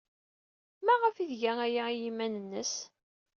Maɣef ay tga aya i yiman-nnes?